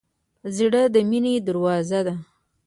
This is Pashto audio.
زړه د مینې دروازه ده.